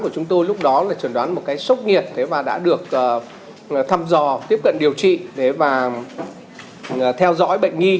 chúng ta trần đoán là sốc nhiệt và đã được thăm dò tiếp cận điều trị theo dõi bệnh nghi